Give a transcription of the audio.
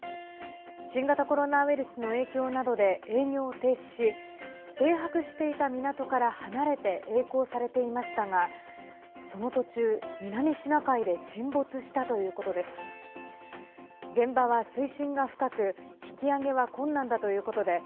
新型コロナウイルスの影響などで営業を停止し停泊していた港から離れてえい航されていましたがその途中、南シナ海で沈没したということです。